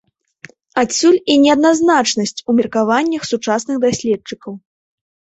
Адсюль і неадназначнасць у меркаваннях сучасных даследчыкаў.